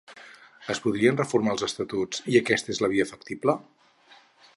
Es podien reformar els estatuts i aquesta és una via factible?